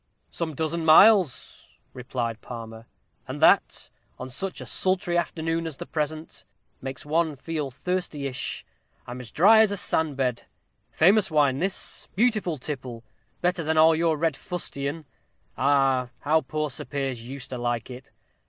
"Some dozen miles," replied Palmer; "and that, on such a sultry afternoon as the present, makes one feel thirstyish. I'm as dry as a sandbed. Famous wine this beautiful tipple better than all your red fustian. Ah, how poor Sir Piers used to like it!